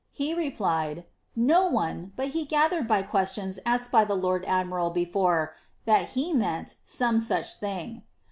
^^ He replied, ^ No one, but he gathered by questions asked by the lord admiral before, that he meant some such thing.'